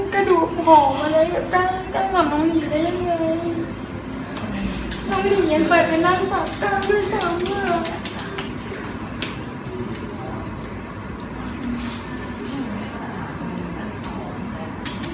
แกเอาฉันเสียใจจริงว่าฉันอยู่กับแกเป็นเพื่อนแล้ว